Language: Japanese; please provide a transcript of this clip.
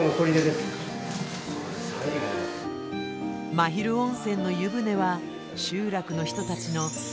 真昼温泉の湯船は集落の人たちのうわ！